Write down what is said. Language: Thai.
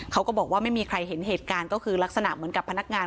เขาก็บอกว่าไม่มีใครเห็นเหตุการณ์ก็คือลักษณะเหมือนกับพนักงาน